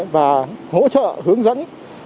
và hỗ trợ hướng dẫn